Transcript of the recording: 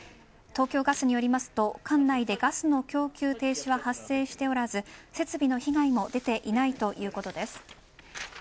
東京ガスによると管内でガスの供給停止は発生しておらず設備の被害も出ていないということです。